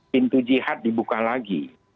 pintu jihad dibuka lagi